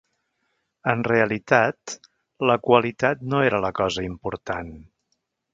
En realitat, la qualitat no era la cosa important.